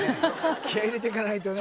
気合い入れて行かないとね